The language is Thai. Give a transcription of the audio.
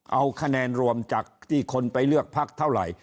เอาคะแนนรวมจากที่คนไปเลือกพักเท่าไหร่